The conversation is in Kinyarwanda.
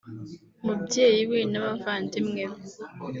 umubyeyi we n’abavandimwe be